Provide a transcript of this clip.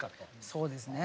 そうですね。